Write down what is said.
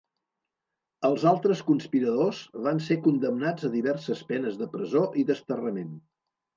Els altres conspiradors van ser condemnats a diverses penes de presó i desterrament.